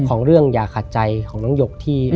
ของเรื่องอย่าขาดใจของน้องหยกที่